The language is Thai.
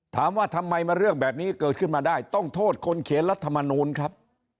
ถามว่าทำไมมาเรื่องแบบนี้เกิดขึ้นมาได้ต้องโทษคนเขียนรัฐมนูลครับ